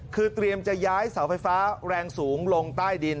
คือเตรียมจะย้ายเสาไฟฟ้าแรงสูงลงใต้ดิน